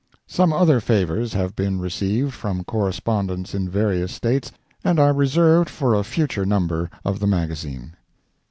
____ Some other favors have been received from corespondents in various States, and are reserved for a future number of the magazine.